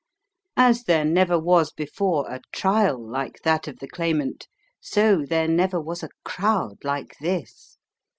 As there never was before a trial like that of the Claimant, so there never was a crowd like this.